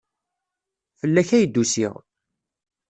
Fell-ak ay d-usiɣ.